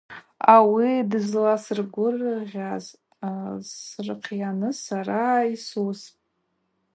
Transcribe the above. Ауи дызласыргвыгъаз сырхъйарныс сара йсуыспӏ.